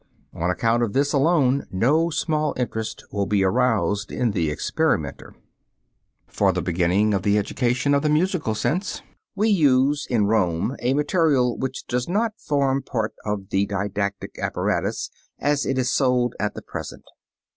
On account of this alone no small interest will be aroused in the experimenter. For the beginning of the education of the musical sense, we use in Rome a material which does not form part of the didactic apparatus as it is sold at present.